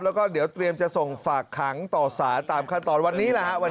แล้วก็เดี๋ยวเตรียมจะส่งฝากขังต่อสารตามขั้นตอนวันนี้แหละฮะ